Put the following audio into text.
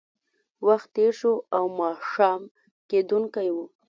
وخت تېر شو او ماښام کېدونکی و